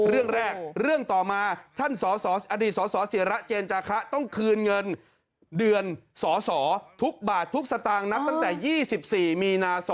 เรื่องแรกเรื่องต่อมาท่านอดีตสสิระเจนจาคะต้องคืนเงินเดือนสอสอทุกบาททุกสตางค์นับตั้งแต่๒๔มีนา๒๕๖